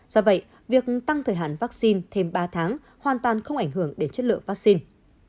do vậy việc tăng thời hạn vaccine thêm ba tháng hoàn toàn không ảnh hưởng đến chất lượng vaccine